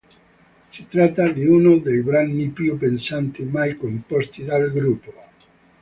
Si tratta di uno dei brani più pesanti mai composti dal gruppo.